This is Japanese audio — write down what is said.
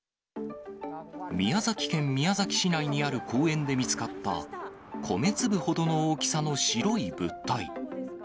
宮崎県宮崎市内にある公園で見つかった、米粒ほどの大きさの白い物体。